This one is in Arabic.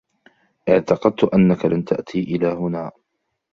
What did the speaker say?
اعتقدت انك لن تأتي الى هنا